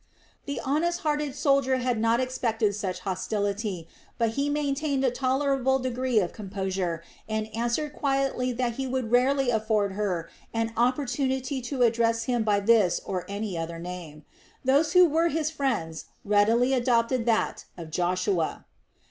The honest hearted soldier had not expected such hostility, but he maintained a tolerable degree of composure and answered quietly that he would rarely afford her an opportunity to address him by this or any other name. Those who were his friends readily adopted that of Joshua.